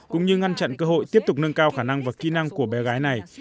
cũng như ngăn chặn cơ hội tiếp tục nâng cao khả năng và kỹ năng của bé gái này